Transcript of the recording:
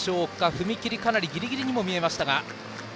踏み切りの、かなりギリギリにも見えましたが。